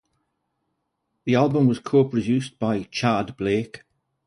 The album was co-produced by Tchad Blake.